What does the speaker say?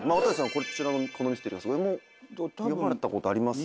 こちらの『このミステリーがすごい！』も読まれたことあります？